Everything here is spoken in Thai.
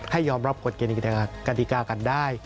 ให้ยอมรับกฎเกณฑ์กรรติกากันได้